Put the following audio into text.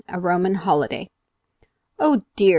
A ROMAN HOLIDAY. "Oh dear!"